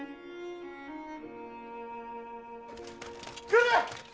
来る！